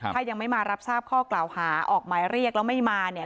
ถ้ายังไม่มารับทราบข้อกล่าวหาออกหมายเรียกแล้วไม่มาเนี่ย